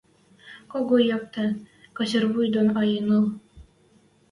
Кого йӓктӹ, косир вуй дон ӓйӹнӹл